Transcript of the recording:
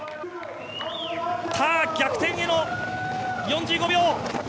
さあ、逆転への４５秒。